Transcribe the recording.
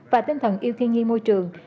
và tinh thần yêu thiên nghi môi trường